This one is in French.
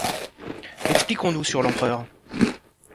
Expliquons-nous sur l’empereur.